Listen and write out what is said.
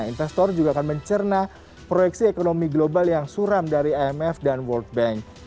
investor juga akan mencerna proyeksi ekonomi global yang suram dari imf dan world bank